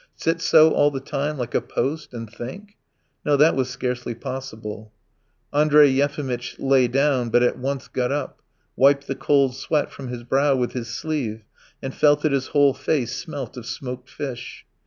Sit so all the time, like a post, and think? No, that was scarcely possible. Andrey Yefimitch lay down, but at once got up, wiped the cold sweat from his brow with his sleeve and felt that his whole face smelt of smoked fish.